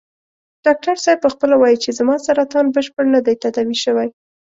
ډاکټر صاحب په خپله وايي چې زما سرطان بشپړ نه دی تداوي شوی.